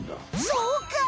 そうか！